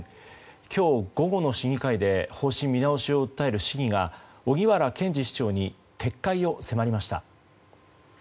今日午後の市議会で方針見直しを訴える市議が荻原健司市長に撤回を迫りました。